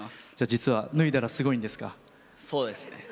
実は脱いだらすごいんですか。